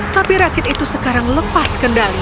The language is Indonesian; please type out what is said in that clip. tapi rakit itu sekarang lepas kendali